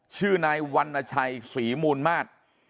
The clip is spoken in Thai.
ชื่อนายวรรณชัยศรีมูลมาศ